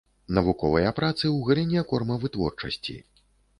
Навуковыя працы ў галіне кормавытворчасці.